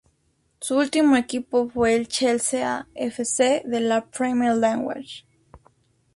Su último equipo fue el Chelsea F. C. de la Premier League.